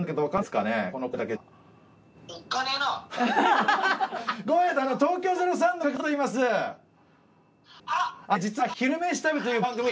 あのね実は「昼めし旅」という番組。